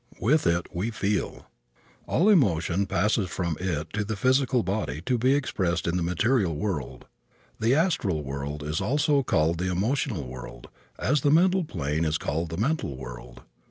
With it we feel. All emotion passes from it to the physical body to be expressed in the material world. The astral world is also called the emotional world, as the mental plane is called the mental world.